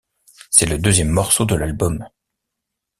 C’est le deuxième morceau de l’album.